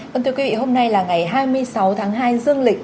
vâng thưa quý vị hôm nay là ngày hai mươi sáu tháng hai dương lịch